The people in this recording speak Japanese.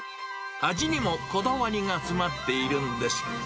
味にもこだわりが詰まっているんです。